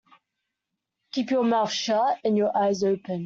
Keep your mouth shut and your eyes open.